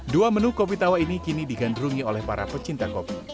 dua menu kopi tawa ini kini digandrungi oleh para pecinta kopi